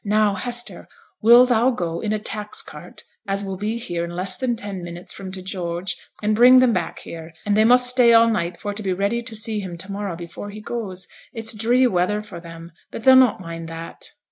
Now, Hester, will thou go in a tax cart as will be here in less than ten minutes from t' George, and bring them back here, and they must stay all night for to be ready to see him to morrow before he goes? It's dree weather for them, but they'll not mind that.'